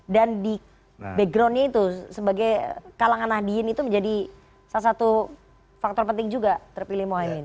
dan di backgroundnya itu sebagai kalangan ahli ini itu menjadi salah satu faktor penting juga terpilih mohaimin